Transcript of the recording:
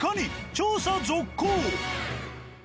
調査続行！